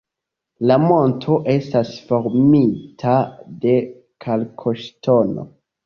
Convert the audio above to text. La monto estas formita de kalkoŝtono.